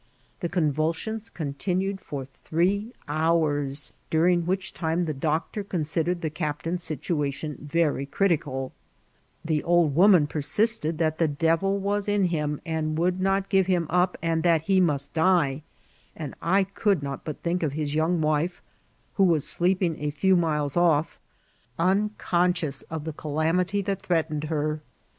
The convulsions continued for three hours, during which time the doctor considered the captain's situation very critioaL The old woman persisted that the devil was in him, and would not give him up, and that he must die ; and I could not but think of his young wife, who was sleeping a few miles off, unconscious of the calamity that threatened her.